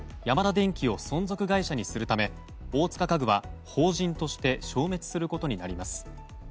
ヤマダ電機を存続会社にするため大塚家具は法人として消滅することになります。